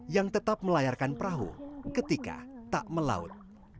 yang tetap melayarkan perahu ketika tak melaut